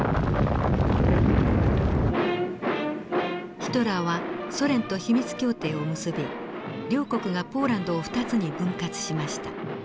ヒトラーはソ連と秘密協定を結び両国がポーランドを２つに分割しました。